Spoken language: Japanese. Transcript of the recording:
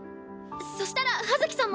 そしたら葉月さんも。